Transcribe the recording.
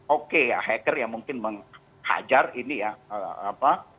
oke ya hacker yang mungkin menghajar ini ya apa